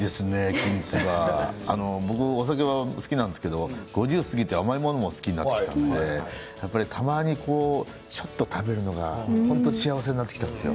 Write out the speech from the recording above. きんつば、僕お酒好きですけれど５０過ぎて甘いものも好きになってきたのでやっぱり、たまにちょっと食べるのが本当に幸せになってきたんですよ。